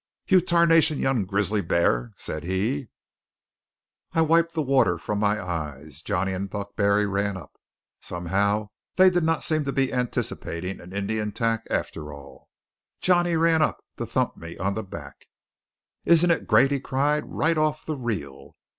"You tarnation young grizzly b'ar!" said he. I wiped the water from my eyes. Johnny and Buck Barry ran up. Somehow they did not seem to be anticipating an Indian attack after all. Johnny ran up to thump me on the back. "Isn't it great!" he cried. "Right off the reel!